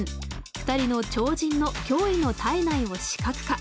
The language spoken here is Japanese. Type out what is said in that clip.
２人の超人の驚異の体内を視覚化。